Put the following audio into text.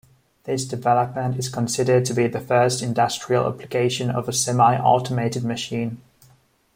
This development is considered to be the first industrial application of a semi-automated machine.